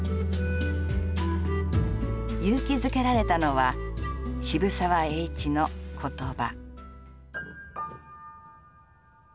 勇気づけられたのは渋沢栄一の言葉。